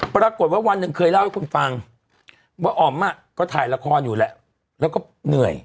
ปรากฏว่าวันหนึ่งเคยเล่าให้คุณฟังว่าอ๋อมก็ถ่ายละครอยู่แล้วแล้วก็เหนื่อย